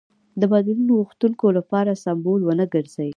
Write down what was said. د بدلون غوښتونکو لپاره سمبول ونه ګرځي.